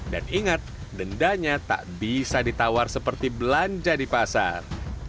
dan ingat dendanya tak bisa ditawar seperti belanja di pasar